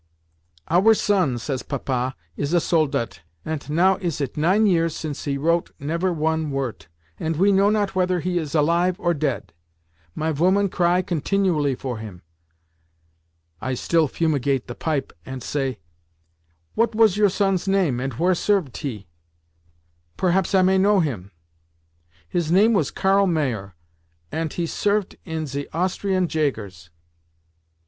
'Our son,' says Papa, 'is a Soldat, ant now is it nine years since he wrote never one wort, and we know not whether he is alive or dead. My voman cry continually for him.' I still fumigate the pipe, ant say, 'What was your son's name, and where servet he? Perhaps I may know him.' 'His name was Karl Mayer, ant he servet in ze Austrian Jägers.